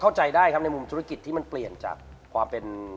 เข้าใจได้ครับในมุมธุรกิจที่มันเปลี่ยนจากความเป็น